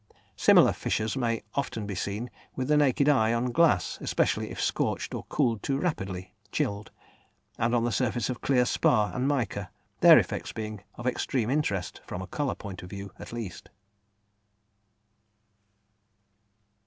Similar fissures may often be seen with the naked eye on glass, especially if scorched or cooled too rapidly (chilled), and on the surface of clear spar and mica, their effects being of extreme interest, from a colour point of view, at least.